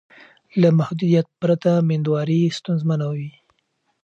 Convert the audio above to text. له محدودیت پرته میندواري ستونزمنه وي.